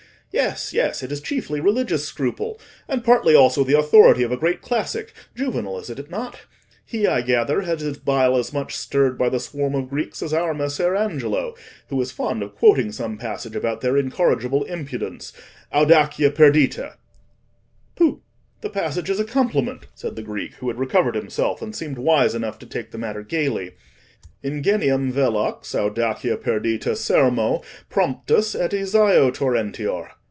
Yes, yes; it is chiefly religious scruple, and partly also the authority of a great classic,—Juvenal, is it not? He, I gather, had his bile as much stirred by the swarm of Greeks as our Messer Angelo, who is fond of quoting some passage about their incorrigible impudence—audacia perdita." "Pooh! the passage is a compliment," said the Greek, who had recovered himself, and seemed wise enough to take the matter gaily— "'Ingenium velox, audacia perdita, sermo Promptus, et Isaeo torrentior.